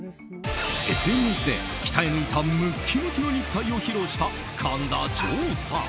ＳＮＳで鍛えぬいたムッキムキの肉体を披露した神田穣さん。